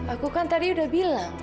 aku kan tadi udah bilang